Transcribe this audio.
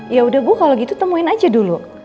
ya udah bu kalau gitu temuin aja dulu